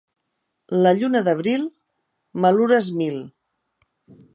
La lluna d'abril, malures mil.